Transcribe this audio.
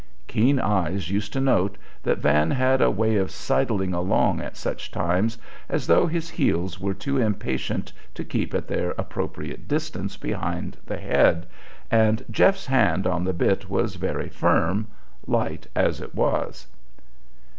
Keen eyes used to note that Van had a way of sidling along at such times as though his heels were too impatient to keep at their appropriate distance behind the head, and "Jeff's" hand on the bit was very firm, light as it was.